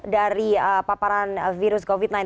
dari paparan virus covid sembilan belas